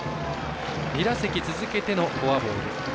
２打席続けてのフォアボール。